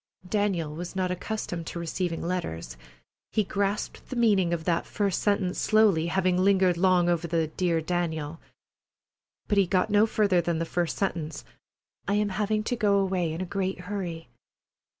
Daniel was not accustomed to receiving letters. He grasped the meaning of that first sentence slowly, having lingered long over the "Dear Daniel." But he got no further than the first sentence: "I am having to go away in a great hurry."